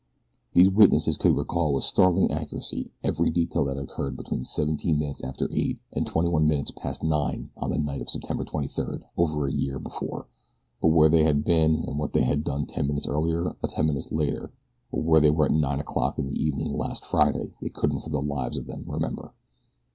These witnesses could recall with startling accuracy every detail that had occurred between seventeen minutes after eight and twenty one minutes past nine on the night of September 23 over a year before; but where they had been and what they had done ten minutes earlier or ten minutes later, or where they were at nine o'clock in the evening last Friday they couldn't for the lives of them remember.